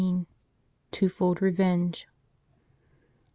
TWOFOLD REVENGE.